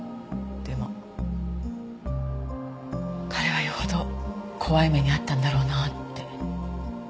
でも彼はよほど怖い目に遭ったんだろうなあって。